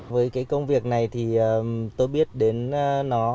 với cái công việc này thì tôi biết đến nó